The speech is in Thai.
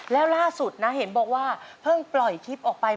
แล้วล่าสุดนะเห็นบอกว่าเพิ่งปล่อยคลิปออกไป